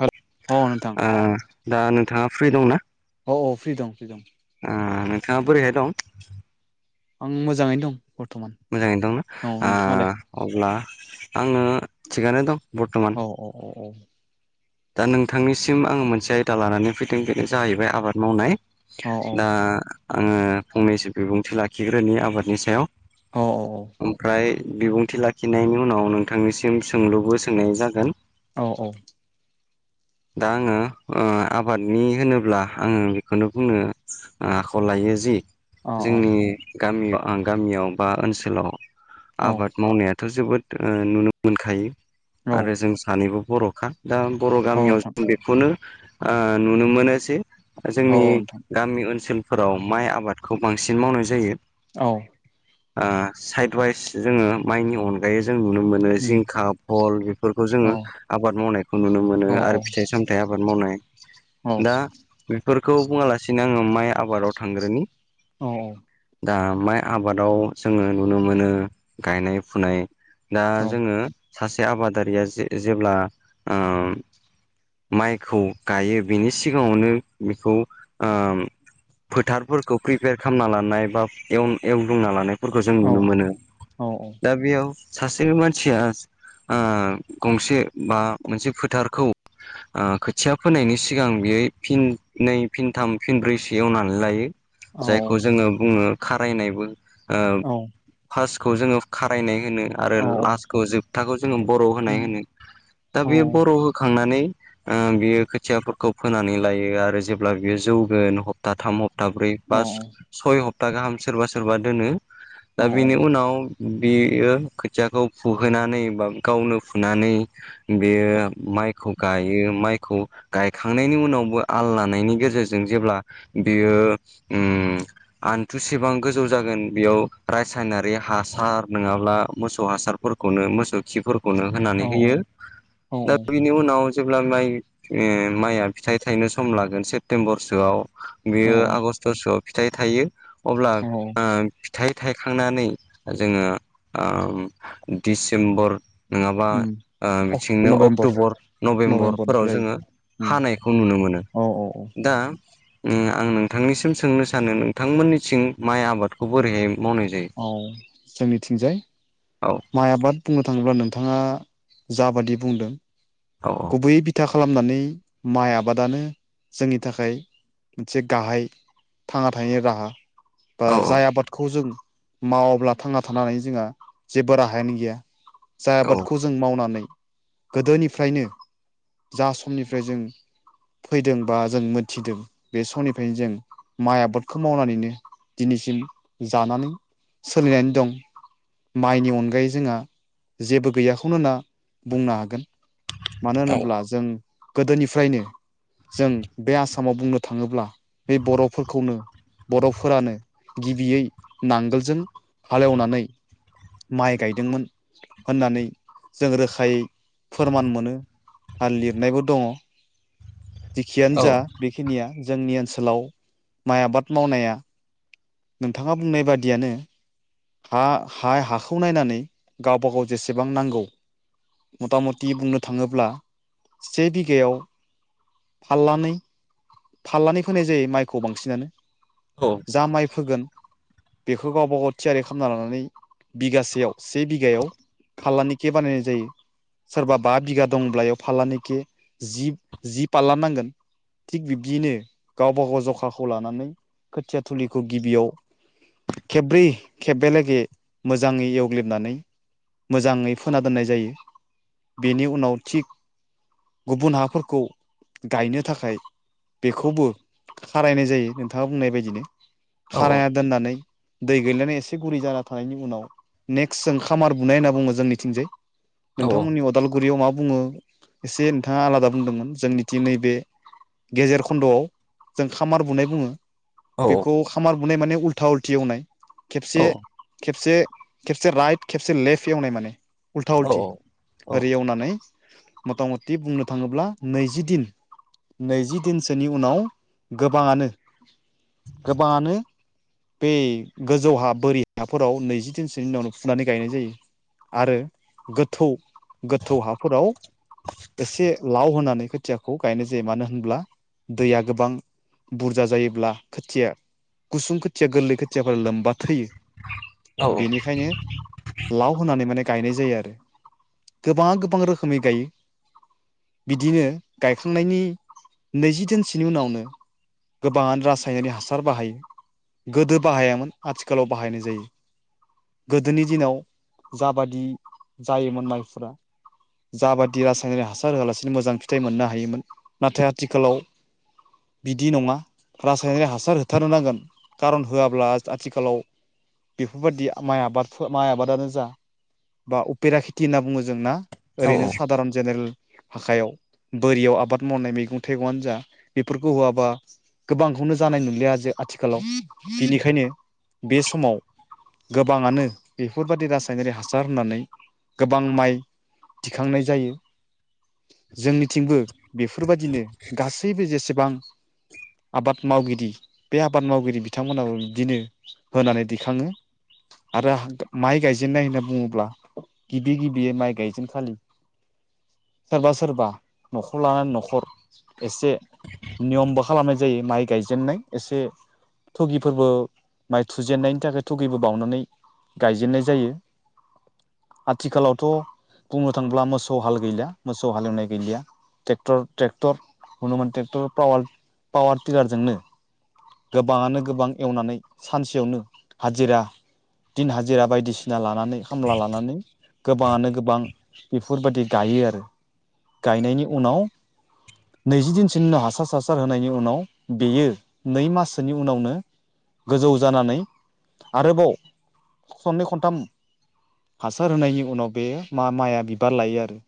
हेल अ नोंथां ओ दा नोंथाङा फ्रि दंना? औ-औ फ्रि दं फ्रि दं आ आं मोजाङैनो दं बरथमान मोजाङैनो दंना ओ अब्ला आङो थिगानो दं बर्थ'मान अ अ औ। दा नोंथांनिसिम आं मोनसे आयदा लानानै फैदों दा बेयो जाबाय आबाद मावनाय औ दा आङो फंनैसो बिबुंथि लाखिग्रोनि आबादनि सायाव औ ओमफ्राय बिबुंथि ला थिनायनि उनाव नोंथांनिसिम औ-औ दा आङो आबादनि होनोब्ला आङो बेखौनो बुंनो औ आख- औ आबाद मावनायाथ' जोबोद नुनो मोनखायो औ आरो जों सानैबो बर'खा दा बर' औ गामियाव नोंथां जों बेखौनो आ नुनो मोनो जे औ जोंनि औ नोंथां गामि ओनसोलफोराव माइ आबादखौ बांसिन मावनाय जायो औ आं साइड उवाइस जोङो माइनि अन दायो जों नुनो मोनो उम जिंखा फल बेफोरखौ औ जोङो आबाद मावनायखौ नुनो मोनो औ औ आरो फिथाइ सामथाइ आबाद औ मावनाय बेफोरखौ बुङालासिनो आङो माइ आबादाव थांग्रोनि औ-औ दा माइ आबादाव जोङो नुनो मोनो गायनाय फुनाय दा औ जोङो सासे आबादारिया जे जेब्ला ओम माइखौ गायो बि फोथारफोरखौ प्रिपेयार खालामना लानाय बा एवनो एवग्लुंना लानाय फोरखो औ सासेनो मानसिया आ खोथिया फोनायनि सिगां बेयो फिन नै फिन थाम फिन ब्रैसो एवनानै लायो औ जायखौ जोङो बुङो खारायनायबो ओ औ औ फार्स्टखौ जोङो खारायनाय होनो आरो लास्टखौ जोबथाखौ जोङो बर' होनाय होनो दा बे बर' होखांनानै बियो खोथियाफोरखौ फोनानै लायो आरो जेब्ला बियो जौगोन हप्ता थाम हप्ता ब्रै बा सय हप्ता गाहाम सोरबा सोरबा दोनो दा बेनि उनाव बेयो खोथियाखौ फुहोनानै बा गावनो फुनानै बेयो माइखौ गायो माइखौ गायखांनायनि उनावबो आल लानायनि गेजेरजों जेब्ला बेयो ओम आंथुसेबां गोजौ जागोन बेयाव रासायनारि हासार नङाब्ला मोसौ हासारफोरखौ खौनो मोसौ खिफोरखौनो औ होनानै होयो औ औ दा औ बिनि उनाव जेब्ला माइ माइआ फिथाइ थायनो सम लागोन सेप्तेम्बरसोआव बेयो आगष्टसोआव फिथाइ थायो अब्ला ओ फिथाइ थायखांनानै जोङो दिडिसेम्बर नङाबा बिथिंनो नभेम्बर अक्ट'बर नभेम्बरफोराव नभेम्बरनिफ्राय जोङो जायो हानायखौ नुनो मोनो औ औ औ दा आं नोंथांनिसिम सोंनो सानो नोंथांमोननिथिं माइ आबादखौ बोरैहाय मावनाय जायो? औ जोंनिथिंजाय औ माइ आबाद बुंनो थाङोब्ला नोंथाङा जाबादि बुंदों औ औ गुबैयै बिथा खालामनानै माइ आबादानो जोंनि थाखाय मोनसे गाहाय थांना थानायनि राहा बा औ जाय आबादखौ जों मावाब्ला थांना थानानै जोंहा जेबो राहायानो गैया जाय औ आबादखौ जों मावनानै गोदोनिफ्रायनो जा समनिफ्राय जों फैदों बा जों मोनथिदों बे समनिफ्रायनो जों माइ आबादखौ मावनानैनो दिनैसिम जानानै सोलिनानै दं माइनि अनगायै जोंहा जेबो गैयाखौनो होनना बुंनो हागोन मानो औ होनोब्ला जों गोदोनिफ्रायनो जों बे आसामाव बुंनो थाङोब्ला बे बर'फोरखौनो बर'फोरानो गिबियै नांगोलजों हालेवनानै माइ गायदोंमोन। होननानै जों रोखायै फोरमान मोनो। आरो लिरनायबो दङ'। जिखियानो औ जा बेखिनिया जोंनि ओनसोलाव माइ आबाद मावनाया। नोंथाङा बुंनाय बादियानो हाखौ नायनानै गावबा गाव जेसेबां नांगौ। मथा मथि बुंनो थाङोब्ला से बिघायाव फाललनानै फोनाय जायो माइखौ बांसिनानो औ। जा माइ फोगोन बेखौ गावबा गाव थियारि खालामना लानानै बिगासेयाव से बिगायाव फाललनि खे बानायनाय जायो। सोरबा बा बिघा दंब्लाायाव फाल्लनिखि जि फालला नांगोन थिग बिब्दियैनो गावबा गाव जखाखौ लानानै खोथिया थुलिखौ गिबियाव खेब्रै खेबबलागे मोजाङै एवग्ललिबनानै मोजाङै फोना दोननाय जायो। बेनि उनाव थिग गुबुन हाफोरखौ गायनो थाखाय बेखौबो खारायनाय जायो। नोंथाङा बुंनाय बायदिनो खारना दोननानै दै गैनानै एसे गुरै जाना थानायनि उनाव नेक्स्ट जों खामार बुनाय होनना बुङो जोंनिथिंजाय औ नोंथांमोननि अदालगुरियाव मा बुङो एसे नोंथाङा आलादा बुंदोंमोन जोंनि नैबे गेजेर खन्द'आव जों खामार बुनाय बुङो। औ बेखौ खामार बुनाय माने उल्था उल्थि एवनाय खेबसे औ खेबसे राइट खेबसे लेफ्ट एवनाय माने उल्था उल्थि हाल ओरै एवनानै मथा मथि बुंनो थाङोब्ला नैजि दिन नैजि दिनसोनि उनाव गोबाङानो गोबाङानो बे गोजौ हा बोरि हाफोराव नैजि दिनसोनि उनावनो फुनानै गायनाय जायो। आरो गोथौ गोथौ हाफोराव एसे लाव होनानै खोथियाखौ गायनाय जायो। मानो होनब्ला दैया गोबां बुरजा जायोब्ला खोथिया गुसुं खोथिया गोरलै खोथियाफोरा लोमबा थैयो। बेनिखायनो लाव होनानै माने गायनाय जायो। आरो गोबां गोबां रोखोमै गायो। बिदिनो गायखांनायनि नैजि दोनसोनि उनावनो गोबाङानो रासायनारिक हासार बाहायो। गोदो बाहायामोन आथिखालाव बाहायनाय जायो। गोदोनि दिनाव जाबादि जायोमोन मानसिफोरा जाबादि रासायनारि हासार होआलासिनो मोजां फिथाइ मोननो हायोमोन नाथाय आथिखालाव बिदि नङा रासायनारि हासार होथारनो नांगोन कारन होआब्ला आथिखालाव बेफोरबायाददि माइ आबादफोर माइ आबादानो जा बा उपेरा खेथि होनना बुङो जोंना ओरैनो साादारन जेनेरेल हाखायाव बोरियाव आबाद मावनाय मैगं थाइगंानो जा बेफोरखौ होआबा गोबांखौनो जानाय नंलिया जे आथिखालाव बिनिखायनो बे समाव गोबाङानो बेफोरबाददि रासायनारि हासार होननानै गोबां माइ थिखांनाय जायो। जोंनि थिंबो बेफोरबायदििनो गासैबो जेसेबां आबाद मावगिरि बे आबाद मावगिरि बिथांमोनाबो बिदिनो होनानै दैखाङो आरो माइ गायजेननाय होनना बुङोब्ला गिबि गिबियै माइ गायजेन खालि सोरबा सोरबा न'खर लानानै न'खर एसे नियमबो खालामनाय जायो माइ गायजेननाय एसे थुगिफोरबो माइ थुजेननायनि थाखाय थुगिबो बउनानै गायजेननाय जायो आथिखालावथ' बुंनो थाङोब्ला मोसौ हाल गैलि मोसौ हालेवनाय गैलिया ट्रेक्टर ट्रेक्टर हनोन ट्रेक्टराव पावार टिलारजोंनो गोबाङानो गोबां एवनानै सानसेयावनो हाजिरा दििन हाजिरा बायदिसिना फना लानानै खामला लानानै गोबाङानो गोबां बेफोरबायदि गायो आरो गायनायनि उनाव नैजिदिनसोनि उनो हासार हासार होनायनि उनाव बेयो नै माससोनि उनावनो गोजौ जानानै आरोबाव सननै खनथाम हासार होनायनि उनाव बे मा माइआ बिबार लायो आरो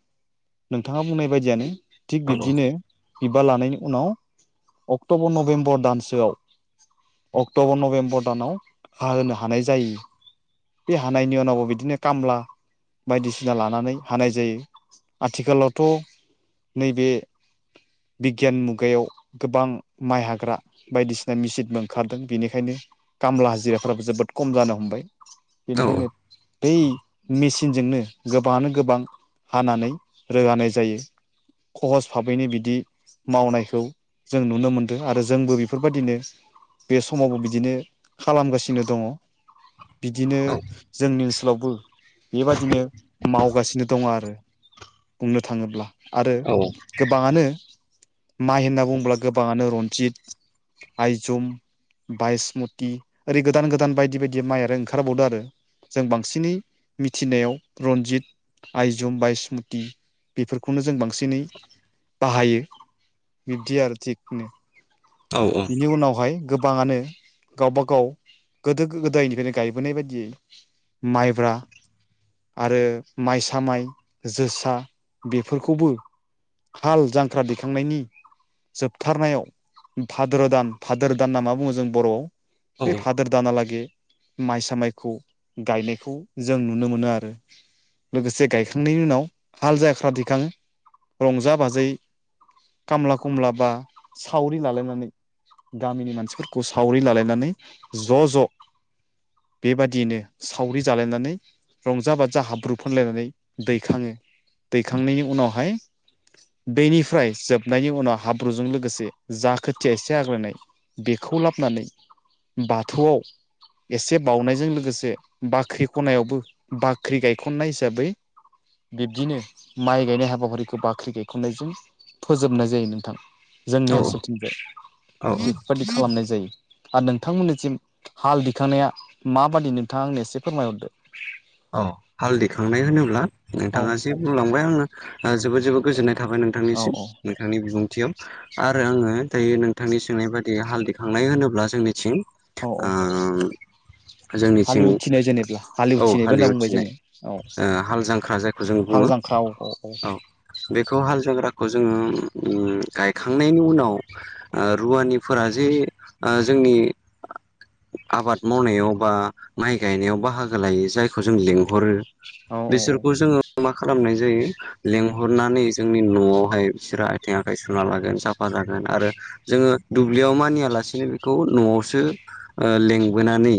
नोंथाङा बुंनाय बायदियानो थिग बिब्दिनो बिबार लानायनि उनाव अक्ट'बर नभेम्बर दानसो गोसोआव अक्ट'बर नभेम्बर दानाव होनोनो हानाय जायो बे हानायनि उनावबो बिदिनो खामला बायदिसिना लानानै हानाय जायो आथिखालावथ' नैबे बिगियान मुगायाव गोबां माइ हाग्रा बायदिसिना मिेचनबो ओंखारदों बेनिखायनो खामला हाजिराफ्राबो जोबोद खम जानो हमबाय बेनिखायनो बै मेसििनजोंनो गोबाङानो गोबां हानानै रोगानाय जायो खहस भाबैनो बिदि मावनायखौ जों नुनो मोनदों आरो जोंबो बेफोरबायदिनो बे समावबो बिदिनो खालामगासिनो दङ बिदिनो जोंनि ओनसोलावबो बेबादिनो मावगासिनो दङ आरो बुंनो थाङोब्ला आरो गोबाङानो माइ होनना बुङोब्ला गोबाङानो रनजित आयजुम बायसमति ओरै गोदान गोदान बायदि बायदि माइ आरो ओंखारबावदोंो आरो जों बांसिनै मिथिनायाव रनजित आइजम बा स्मुति बेफोरखौनो जों बांसिनै बाहायो बिब्दि आरो थिखनो औ औ बिनि उनावहाय गोबाङानो गावबाागाव गोदो गोदायनिफ्रायनो गायबोनाय बायदियै माइब्रा आरो माइसा माइ जोसा बेफोरखौबो हाल जांख्रा दैखांनायनि जोबथारनायाव भाद्र दान भाद्र दान न मा बुङो जों बर'आव ब भाद्र दानालागै माइसा मायखौ गायनायखौ जों नुनो मोनो आरो लोगोसे गायखांनायनि उनाव हाल जाख्रा दिखाङो रंजा बाजायै कामला कुमलाबा सावरि लालायनानै गामिनि मानसिफोरखौ सावरि लालायनानै ज' ज' बेबादियैनो सावरि जालायनानै रंजा बाजा हाब्रु फुनलायनानै दैखाङो दैखांनायनि उनावहाय बेनिफ्राय जोबनायनि उनाव हाब्रुजों लोगोसे जा खोथिया एसे आग्लायनाय बेखौ लाबोनानै बाथौआव एसे बावउनायजों लोगोसे बाख्रि खनायावबो बाख्रि गायखननाय हिसाबै बिब्दिनो माइ गायनाय हाबाफारिखौ बाख्रि गायख'नायजों फोजोबनाय जायो नोंथां जोंनि ओनसोलथिंबो बेफोरबायाददि खालामनाय जायो आरो नोंथांमोननिसिम हाल दिखांनाया माबादि नोंथाङा आंनो एसे फोरमायहरदो अ हाल दिखांनाय होनोब्ला औ नोंथाङा जि बुंलांबाय आङो जोबोद जोबोद गोजोननाय थाबाय नों औ नोंथांनिसिम औ नोंथांनि बिबुंथियाव आरो आङो दायो नोंथांनि सोंनायबादि हाल दिखांनाय होनोब्ला जोंनिथिं औ औ ओम जोंनिथिं होननाय जेनेब्ला हालि हालि उथिनाय हाल जांख्रा जायखौ जों हाल बुङो जांख्रा औ औ। बेखौ हाल जांख्राखौ जोङो ओम गायखांनायनि उनाव ओ रुवानिफोरा जे ओ जोंनि आबाद मावनायाव बा माइ गायनायाव बाहागो लायो जाय खौ जों लिंहरो औ औ बिसोरखौ जोङो मा खालामनाय जायो लेंहरनानै जोंनि न'आवहाय बिसोरो आथिं आखाइ सुना लागोन साफा जागोन आरो जोङो दुब्लियाव मानियालासिनो बेखौ न'आवसो ओ लेंबोनानै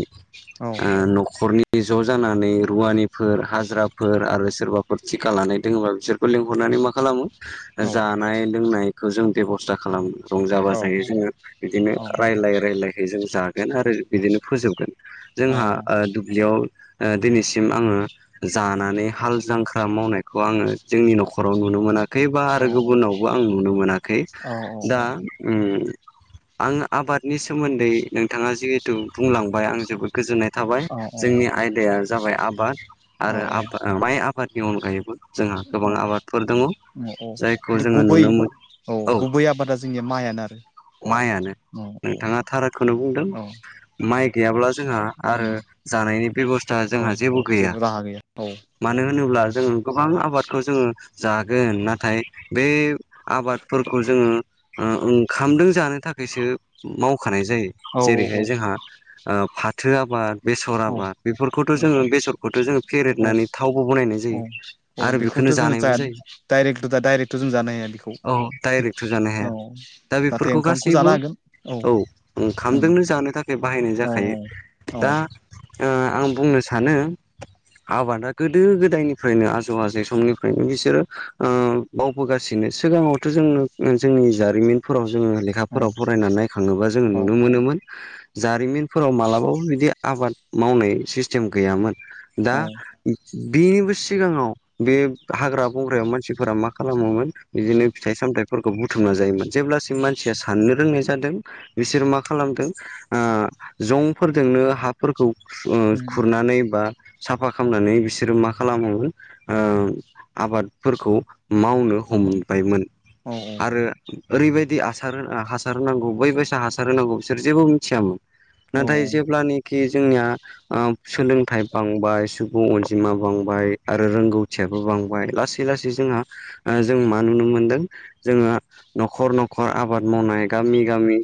ओ न'खरनि ज' जाना नै रुवानिफोर हाजिराफोर आरो सोरबाफोर थिका लानाय दोङोबा बिसोरखौ लिंहरनानै मा खालामो जानाय लोंनायखौ जों बेब'स्था खालामो। रंजा बाजायै जोङो बिदिनो रायलाय रायलायहै जों जागोन आरो बिदिनो फोजोबगोन। जोंहा ओ दुब्लियाव दिनैसिम आङो जानानै हाल जांख्रा मावनायखौ आङो जोंनि न'खराव नुनो मोनाखै खैबा आरो गुबुनावबो आं नुनो मोनाखै दा उम आं आबादनि सोमोन्दै नोंथाङा जिहेथु बुंलांबाय आं जोबोद गोजोननाय थाबाय जोंनि आयदाया जाबाय आबाद औ आरो माइ आबाद नि अनगायैबो जोंहा गोबां औ आबादफोर दङ औ जायखौ खिन्थु जोङो गुबै नुनो मोनो। औ गुबै आबादा जोंनिया माइआनो आरो। माइआनो औ नोंथाङा औ थारखौनो बुंदों। औ माइ गैयाब्ला जोंहा आरो जानायनि बेब'स्था औ जोंहा गैया जेबो राहा गैया औ। मानो होनोब्ला जोङो गोबां आबादखौ जोङो जागोन नाथाय बे आबादफोरखौ जोङो ओ ओंखामदों जानो थाखायसो मावखानाय जायो। औ जेरैहाय जोंहा फाथो आबाद बेसर आबाद बेफोरखौथ' जोङो बेसरखौथ' जोङो औ फेरेेदनानै थावबो बानायनाय जायो आरो बेखौनो जानायबो जायो। डाइरेक्टथ' दा दडाइरेक्टथ' जों जानो हाया बेखौ औ डाइरेक्टथ' जानो हाया औ दा नाथाय बेफोरखौ ओंखामखौ गासैबो जानो हागोन। औ औ ओंखामजोंनो जानो थाखाय बाहायनाय औ जाखायो औ दा ओ आं बुंनो सानो आबादा गोदो गोदायनिफ्रायनो आजौ आजै समनिफ्रायनो बिसोरो ओ बावबोगासिनो सिगाङावथ' जोंनो जोंनि जारिमिन फोराव जोङो औ लेखाफोराव फरायनानै नायखाङोबा जोङो औ नुनो मोनोमोन जारिमिनफोराव मालाबाबो बिदि आबाद मावनाय सिस्टेम गैयामोन दा औ बेबो सिगाङाव बे हाग्रा बंग्रायाव मानसिफोरा मा खालामोमोन बिदिनो फिथाइ सामथायाइफोरखौबो बुथुमना जायोमोन जेब्लासिम मानसिया साननो रोंनाय जादों बिसोर मा खालामदों। ओ जं फोरजोंनो हाफोरखौ खु ओ खुरनानै बा साफा खालामनानै बिसोरो मा खालामोमोन ओ आबादफोरखौ मावनो हमबायमोन। औ आरो ओरैबायदि आसार होन हासार होनांगौ बै बायसा हासार होनांगौ बिसोर जेबो मिथियामोन। नाथाय औ जेब्लानिखि जोंनिया ओ सोलोंथाइ बांबाय सुबुं अनजिमा बांबाय आरो रोंगौथियाबो बांबाय लासै लासै लासै जोंहा ओ जों मा नुनो मोनदों जोङो न'खर न'खर आबाद मावनाय गामि गामि